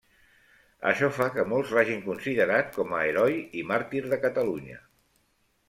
Això fa que molts l'hagin considerat com a heroi i màrtir de Catalunya.